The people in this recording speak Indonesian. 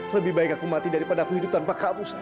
lebih baik aku mati daripada aku hidup tanpa hapus